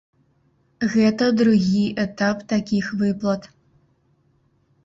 Гэта другі этап такіх выплат.